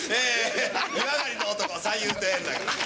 湯上がりの男三遊亭圓楽です。